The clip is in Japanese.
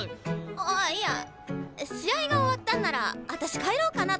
ああいや試合が終わったんならあたし帰ろうかなと思って。